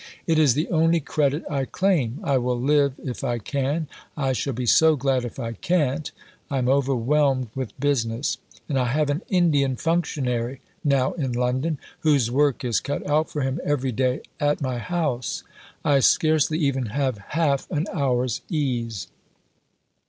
It is the only credit I claim. I will live if I can. I shall be so glad if I can't. I am overwhelmed with business. And I have an Indian functionary now in London, whose work is cut out for him every day at my house. I scarcely even have half an hour's ease.